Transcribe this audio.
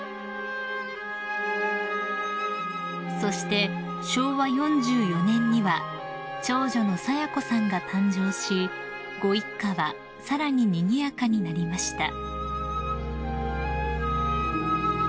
［そして昭和４４年には長女の清子さんが誕生しご一家はさらににぎやかになりました］